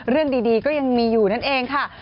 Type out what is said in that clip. เรื่องดีก็ยังมีอยู่นั่นเองค่ะ